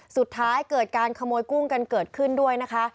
สุดท้ายเกิดการขโมยกุ้งกันเกิดขึ้นด้วยนะคะ